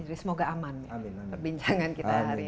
jadi semoga aman perbincangan kita hari ini